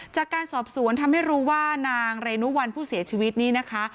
จากการสอบสวนทำให้รู้ว่านางเรนุวัลผู้เสียชีวิตนี้นะคะ